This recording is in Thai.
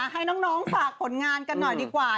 ให้น้องฝากผลงานกันหน่อยดีกว่า